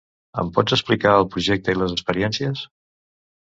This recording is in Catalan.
Ens pots explicar el projecte i les experiències?